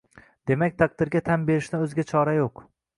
Demak, taqdirga tan berishdan o`zga chora yo`q